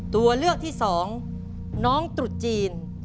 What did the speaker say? ตัวเลือกที่สองน้องตรุษจีน